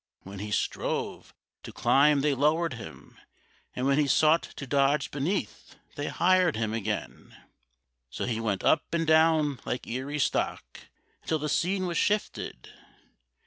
When he strove To climb they lowered him, and when he sought To dodge beneath they highered him again; So he went up and down like Erie stock Until the scene was shifted.